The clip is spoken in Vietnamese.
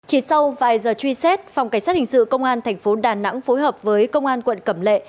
chỉ sau vài giờ truy xét phòng cảnh sát hình sự công an thành phố đà nẵng phối hợp với công an quận cẩm lệ